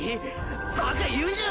バカ言うんじゃ